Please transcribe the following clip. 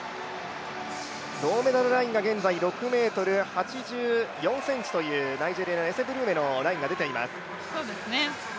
銅メダルラインが現在６ｍ８４ｃｍという、ナイジェリアのエセ・ブルーメのラインが出ています。